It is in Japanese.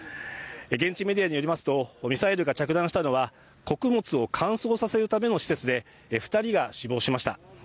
現地メディアによりますとミサイルが着弾したのは穀物を乾燥させるための施設で２人が死亡しました。